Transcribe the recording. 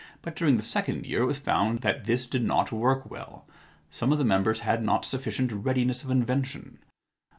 But during the second year it was found that this did not work well. Some of the members had not sufficient readiness of invention.